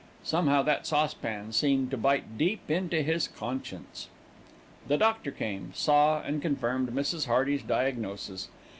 Somehow that saucepan seemed to bite deep into his conscience. The doctor came, saw, and confirmed Mrs. Hearty's diagnosis.